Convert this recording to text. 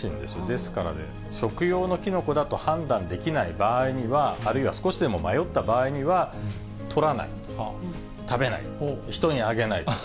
ですから、食用のキノコだと判断できない場合には、あるいは少しでも迷った場合には、採らない、食べない、人にあげないと。